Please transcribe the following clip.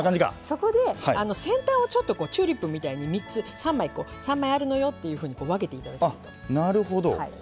そこで先端をチューリップみたいに３枚あるのよって分けていただくと。